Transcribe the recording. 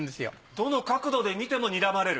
どの角度で見てもにらまれる。